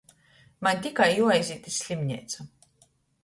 Maņ tikai juoaizīt iz slimneicu.